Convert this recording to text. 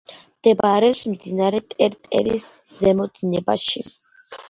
მდებარეობს მდინარე ტერტერის ზემო დინებაში.